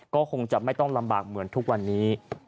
ก็คงจะไม่ต้องลำบากเหมือนทุกวันนี้